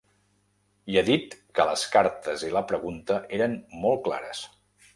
I ha dit que les cartes i la pregunta eren molt clares.